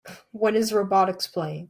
When is Robotix playing?